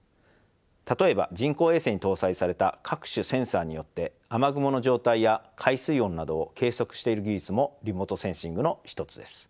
例えば人工衛星に搭載された各種センサによって雨雲の状態や海水温などを計測している技術もリモートセンシングの一つです。